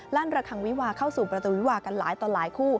ระคังวิวาเข้าสู่ประตูวิวากันหลายต่อหลายคู่